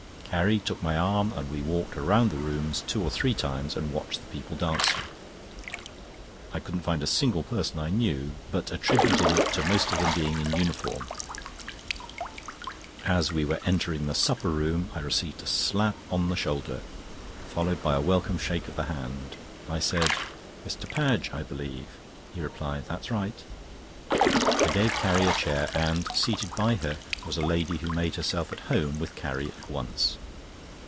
Carrie took my arm and we walked round the rooms two or three times and watched the people dancing. I couldn't find a single person I knew, but attributed it to most of them being in uniform. As we were entering the supper room I received a slap on the shoulder, followed by a welcome shake of the hand. I said: "Mr. Padge, I believe;" he replied, "That's right." I gave Carrie a chair, and seated by her was a lady who made herself at home with Carrie at once.